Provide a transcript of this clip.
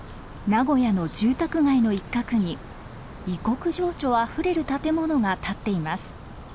名古屋の住宅街の一角に異国情緒あふれる建物が建っています。